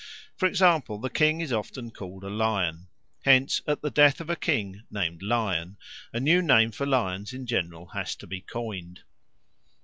For example, the king is often called a lion; hence at the death of a king named Lion a new name for lions in general has to be coined.